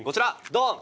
ドン！